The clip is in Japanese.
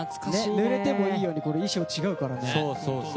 ぬれてもいいように衣装違うからね。